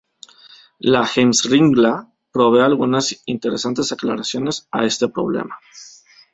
La "Heimskringla" provee algunas interesantes aclaraciones a este problema.